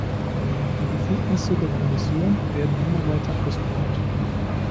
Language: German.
Die Befugnisse der Kommission werden immer weiter ausgebaut.